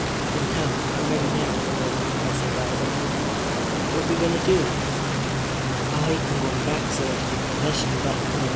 "Then, come. I'm ready now," urged the Professor rising. "What you going to do?" "I am going back there to take possession of that claim.